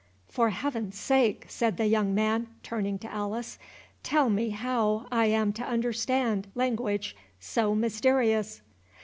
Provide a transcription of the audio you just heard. "For Heaven's sake," said the young man, turning to Alice, "tell me how I am to understand language so misterious."